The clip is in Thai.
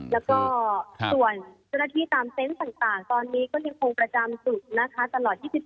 แล้วก็ส่วนเจ้าหน้าที่ตามเต็นต์ต่างตอนนี้ก็ยังคงประจำจุดนะคะตลอด